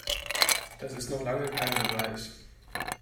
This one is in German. Das ist noch lange kein Beweis.